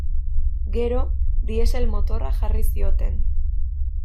Gero diesel motorra jarri zioten.